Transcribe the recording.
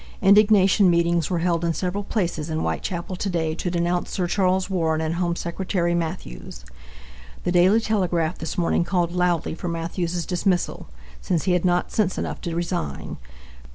Indignation meetings were held in several places in Whitechapel to day to denounce Sir Charles Warren and Home Secretary Mathews. The Daily Telegraph this morning called loudly for Mathews's dismissal, since he had not sense enough to resign.